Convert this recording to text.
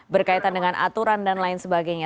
berkaitan dengan aturan dan lain sebagainya